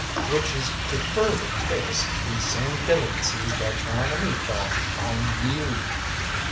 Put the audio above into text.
"Which is to further test these same delicacies by trying a meat ball on you."